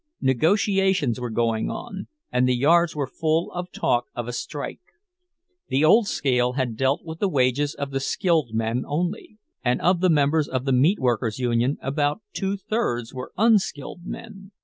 Negotiations were going on, and the yards were full of talk of a strike. The old scale had dealt with the wages of the skilled men only; and of the members of the Meat Workers' Union about two thirds were unskilled men.